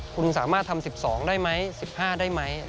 คุณสามารถทำ๑๒ได้ไหม๑๕ได้ไหม